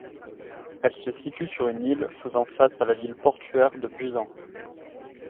Elle se situe sur une île faisant face à la ville portuaire de Busan.